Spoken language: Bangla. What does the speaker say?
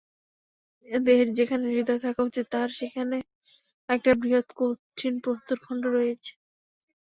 দেহের যেখানে হৃদয় থাকা উচিত, তাহার সেইখানে একটি বৃহৎ কঠিন প্রস্তরখণ্ড রহিয়াছে।